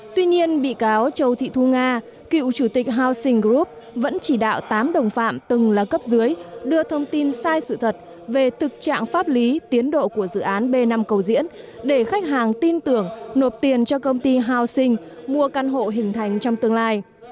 tuy nhiên bị cáo châu thị thu nga cựu chủ tịch housen group vẫn chỉ đạo tám đồng phạm từng là cấp dưới đưa thông tin sai sự thật về thực trạng pháp lý tiến độ của dự án b năm cầu diễn để khách hàng tin tưởng nộp tiền cho công ty housing mua căn hộ hình thành trong tương lai